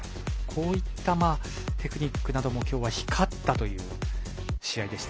こういったテクニックなども今日は光ったという試合でした。